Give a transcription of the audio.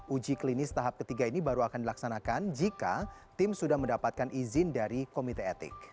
uji klinis tahap ketiga ini baru akan dilaksanakan jika tim sudah mendapatkan izin dari komite etik